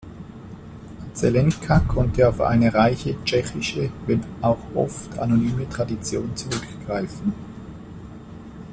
Zelenka konnte auf eine reiche tschechische, wenn auch oft anonyme Tradition zurückgreifen.